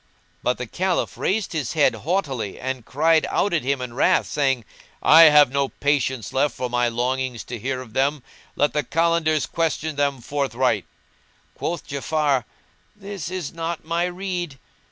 But the Caliph raised his head haughtily and cried out at him in wrath, saying, "I have no patience left for my longing to hear of them: let the Kalandars question them forthright." Quoth Ja'afar, "This is not my rede."